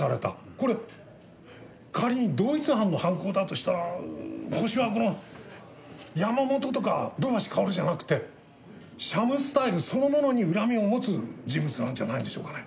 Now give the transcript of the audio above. これ仮に同一犯の犯行だとしたらホシはこの山本とか土橋かおるじゃなくてシャムスタイルそのものに恨みを持つ人物なんじゃないでしょうかね？